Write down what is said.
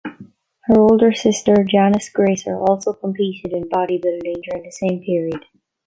Her older sister Janice Graser also competed in bodybuilding during the same period.